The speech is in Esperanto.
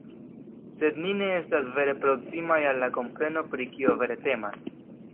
Sed ni ne estas vere proksimaj al la kompreno pri kio vere temas”.